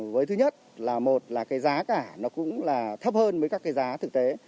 với thứ nhất là một là cái giá cả nó cũng là thấp hơn với các cái giá thực tế